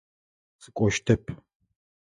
Сыкӏощтэп.